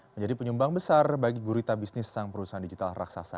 menjadi penyumbang besar bagi gurita bisnis sang perusahaan digital raksasa